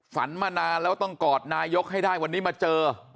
ฝันมานานแล้วต้องกอดนายกให้ได้วันนี้มาเจอ